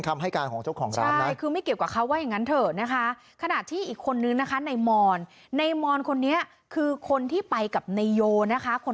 การเป็นว่าเคลียร์กันไม่จบคืนเกิดเหตุเนี่ยพอพวกผมไปเที่ยวผับ